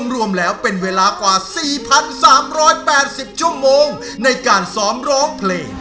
รวมแล้วเป็นเวลากว่า๔๓๘๐ชั่วโมงในการซ้อมร้องเพลง